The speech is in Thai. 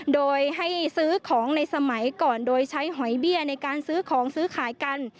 โดยให้ซื้อของในสมัยก่อนโดยใช้หอยเบี้ยในการซื้อของซื้อขายกัน